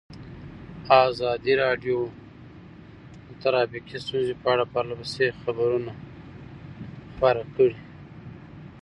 ازادي راډیو د ټرافیکي ستونزې په اړه پرله پسې خبرونه خپاره کړي.